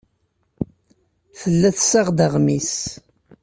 Tella tessaɣ-d aɣmis.